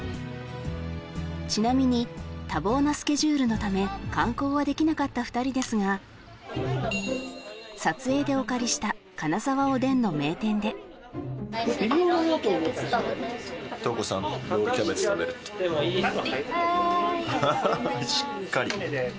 ちなみに多忙なスケジュールのため観光はできなかった２人ですが撮影でお借りしたの名店ではいありがとうございます